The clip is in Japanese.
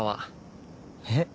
えっ？